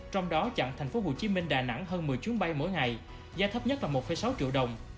trong đó chặn tp hcm đà nẵng hơn một mươi chuyến bay mỗi ngày giá thấp nhất là một sáu triệu đồng